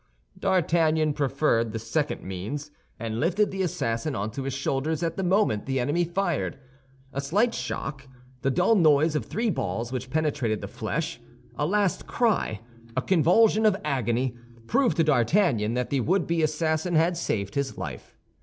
D'Artagnan preferred the second means, and lifted the assassin onto his shoulders at the moment the enemy fired. A slight shock, the dull noise of three balls which penetrated the flesh, a last cry, a convulsion of agony, proved to D'Artagnan that the would be assassin had saved his life.